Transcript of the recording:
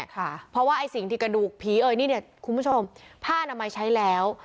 เพราะว่าไอ้สิ่งที่กระดูกผีเอ่ยนี่เนี่ยคุณผู้ชมผ้านามัยใช้แล้ว